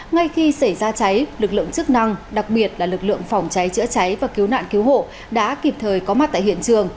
ngay khi xảy ra cháy lực lượng chức năng đặc biệt là lực lượng phòng cháy chữa cháy và cứu nạn cứu hộ đã kịp thời có mặt tại hiện trường